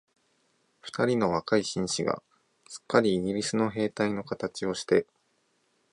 二人の若い紳士が、すっかりイギリスの兵隊のかたちをして、